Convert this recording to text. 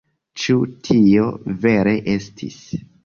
Ĉu tio vere estis?